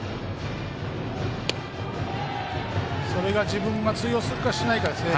自分が通用するかしないかですね。